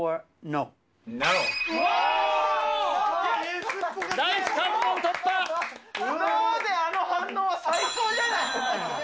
ノーであの反応は最高じゃな